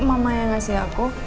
mama yang ngasih aku